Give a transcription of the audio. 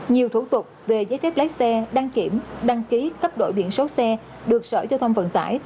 nhiều thủ tục về giấy phép lái xe đăng kiểm đăng ký cấp đổi biển số xe được sở giao thông vận tải